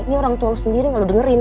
ini orang tua lo sendiri lo dengerin